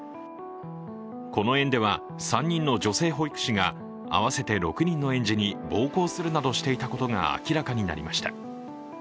この園では、３人の女性保育士が合わせて６人の園児に暴行するなどしていたことが明らかになりました。